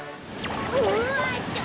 うわっと！